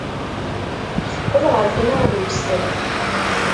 Teqqel ɣer tneɣlust.